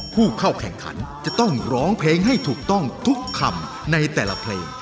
ผู้เข้าแข่งขันจะต้องร้องเพลงให้ถูกต้องทุกคำในแต่ละเพลง